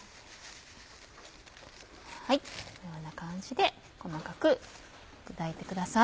このような感じで細かく砕いてください。